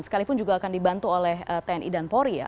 sekalipun juga akan dibantu oleh tni dan polri ya